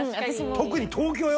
特に東京よ。